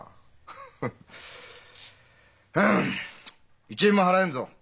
はあ１円も払えんぞ！